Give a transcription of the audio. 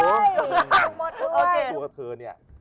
ถ้าตัวเธอนี่